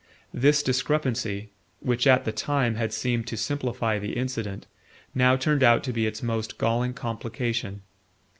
This discrepancy, which at the time had seemed to simplify the incident, now turned out to be its most galling complication.